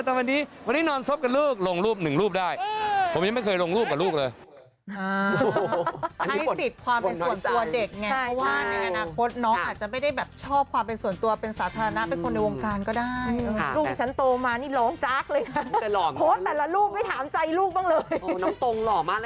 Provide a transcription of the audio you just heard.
แต่ไม่ได้ชอบความเป็นส่วนตัวเป็นสาธารณะ